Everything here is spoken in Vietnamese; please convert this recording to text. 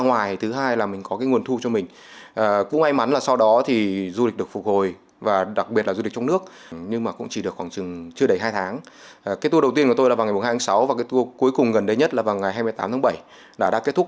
đầu tiên của tôi là vào ngày hai tháng sáu và cái tour cuối cùng gần đây nhất là vào ngày hai mươi tám tháng bảy đã kết thúc